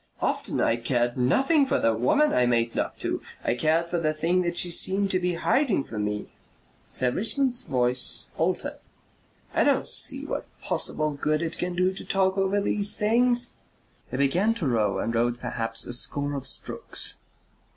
Often I cared nothing for the woman I made love to. I cared for the thing she seemed to be hiding from me...." Sir Richmond's voice altered. "I don't see what possible good it can do to talk over these things." He began to row and rowed perhaps a score of strokes.